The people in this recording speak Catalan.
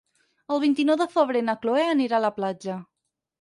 El vint-i-nou de febrer na Cloè anirà a la platja.